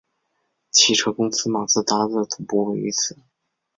汽车公司马自达的总部位于此。